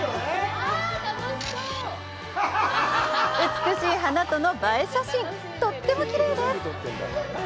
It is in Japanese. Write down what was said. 美しい花との映え写真とってもきれいです！